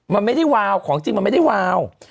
มันไม่ได้วาวของจริงมันไม่ได้วาว